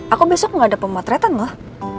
aku besok gak ada pemotretan mah